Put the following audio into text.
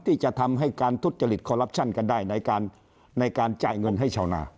ที่จะทำให้การทุจริตคอลลับชั่นกันได้ในการจ่ายเงินให้ชาวนา